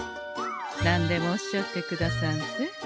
何でもおっしゃってくださんせ。